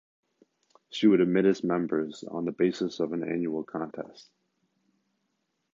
She would admit its members on the basis of an annual contest.